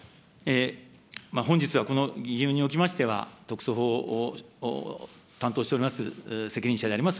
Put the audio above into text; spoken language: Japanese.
本日はこの議運におきましては、特措法を担当しております責任者であります